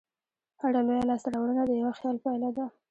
هره لویه لاستهراوړنه د یوه خیال پایله ده.